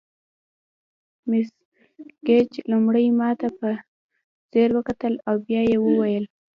مس ګیج لومړی ماته په ځیر وکتل او بیا یې وویل.